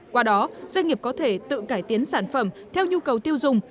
qua đó doanh nghiệp có thể tự cải tiến sản phẩm theo nhu cầu tiêu dùng